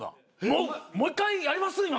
もう一回やります？